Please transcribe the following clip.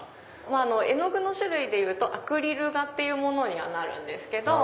絵の具の種類でいうとアクリル画になるんですけど。